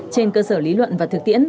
trên cơ sở lý luận và thực tiễn